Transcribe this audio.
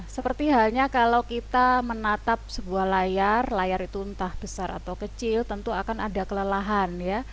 seperti halnya kalau kita menatap sebuah layar layar itu entah besar atau kecil tentu akan ada kelelahan ya